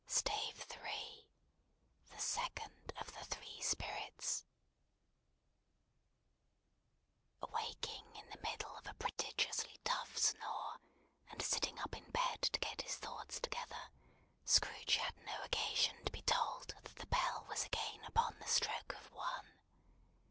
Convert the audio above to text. STAVE III: THE SECOND OF THE THREE SPIRITS AWAKING in the middle of a prodigiously tough snore, and sitting up in bed to get his thoughts together, Scrooge had no occasion to be told that the bell was again upon the stroke of One.